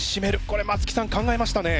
これ松木さん考えましたね。